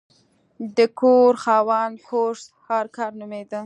د کور خاوند هورس هارکر نومیده.